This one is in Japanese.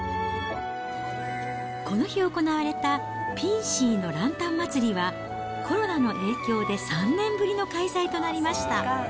この日行われたピンシーのランタン祭りは、コロナの影響で３年ぶりの開催となりました。